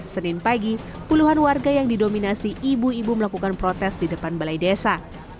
senin pagi puluhan warga yang didominasi ibu ibu melakukan protes di depan balai desa